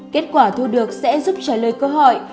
kết quả thu được sẽ giúp trả lời cơ hội